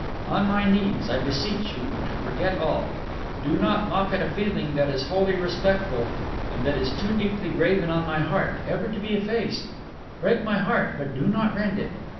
On my knees I beseech you to forget all! Do not mock at a feeling that is wholly respectful, and that is too deeply graven on my heart ever to be effaced. Break my heart, but do not rend it!